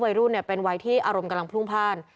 วัยรุ่นเป็นวัยที่อารมณ์กำลังพรุ่งพ่าน